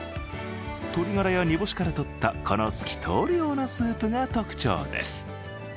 鶏ガラや煮干しから取ったこの透き通るようなスープが特徴です。